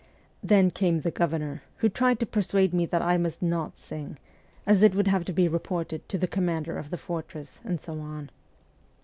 Then came the governor, who tried to persuade me that I must not sing, as it would have to be reported to the commander of the fortress, and so on.